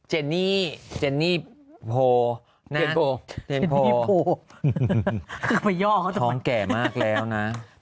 หรือหลีก๓เดือน